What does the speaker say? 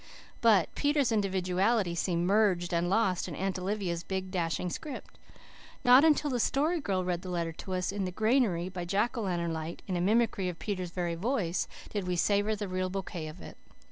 But Peter's individuality seemed merged and lost in Aunt Olivia's big, dashing script. Not until the Story Girl read the letter to us in the granary by jack o lantern light, in a mimicry of Peter's very voice, did we savour the real bouquet of it.